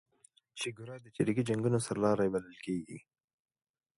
چیګوارا د چریکي جنګونو سرلاری بللل کیږي